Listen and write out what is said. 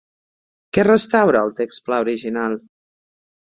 Què restaura el text pla original?